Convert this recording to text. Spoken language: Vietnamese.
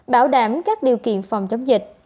bảo đảm các điều kiện phòng chống dịch